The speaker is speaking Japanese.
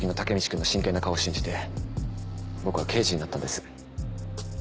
君の真剣な顔を信じて僕は刑事になったんです。